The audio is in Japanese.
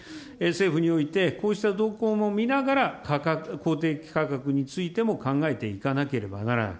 政府において、こうした動向も見ながら、価格、公的価格についても考えていかなければならない。